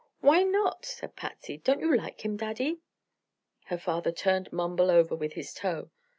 "Why not?" said Patsy. "Don't you like him, Daddy?" Her father turned Mumbles over with his toe.